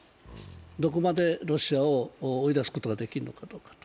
どこまでロシアを追い出すことができるのかと。